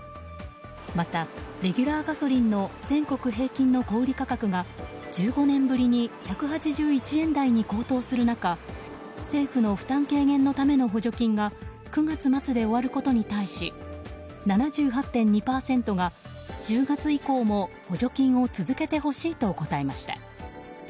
また、レギュラーガソリンの全国平均の小売価格が１５年ぶりに１８１円台に高騰する中政府の負担軽減のための補助金が９月末に終わることに対し７８．２％が１０月以降も補助金を続けてほしいと答えました。